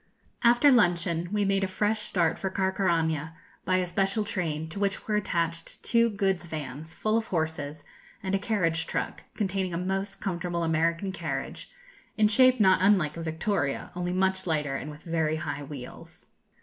After luncheon we made a fresh start for Carcaraña by a special train, to which were attached two goods vans, full of horses, and a carriage truck, containing a most comfortable American carriage, in shape not unlike a Victoria, only much lighter and with very high wheels.